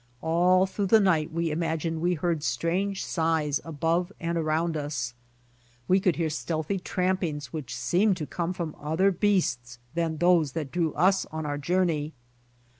All through the night we imagined we heard strange sighs above and around us. We could hear stealthy trampings which seemed to come from other beasts than those that drew us on our journey.